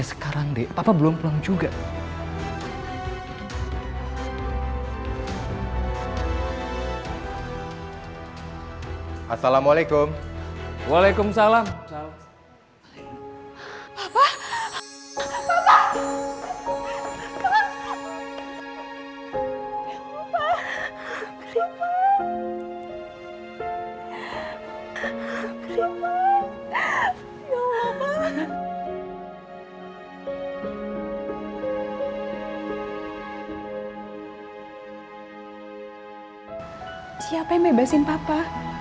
siapa yang bebasin papa